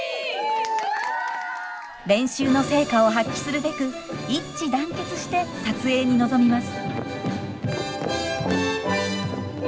練習の成果を発揮するべく一致団結して撮影に臨みます。